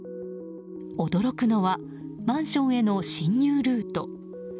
驚くのはマンションへの侵入ルート。